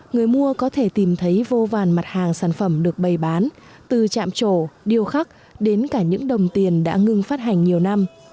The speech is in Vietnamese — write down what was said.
người mua có thể tìm thấy vô vàn mặt hàng sản phẩm được bày bán từ chạm chỗ điêu khắc đến cả những đồng tiền đã ngưng phát hành nhiều năm